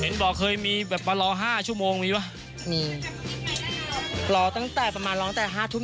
บอกเคยมีแบบมารอห้าชั่วโมงมีป่ะมีรอตั้งแต่ประมาณรอตั้งแต่ห้าทุ่ม